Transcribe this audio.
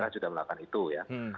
sudah melakukan itu ya